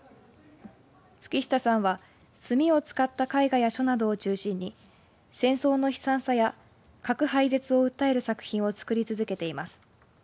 月下さんは墨を使った絵画や書などを中心に戦争の悲惨さや核廃絶を訴える作品を作り続けています。